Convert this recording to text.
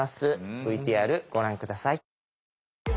ＶＴＲご覧下さい。